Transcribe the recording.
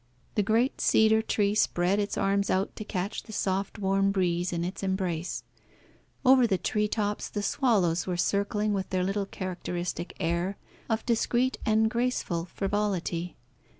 The great cedar tree spread its arms out to catch the soft warm breeze in its embrace. Over the tree tops the swallows were circling with their little characteristic air of discreet and graceful frivolity.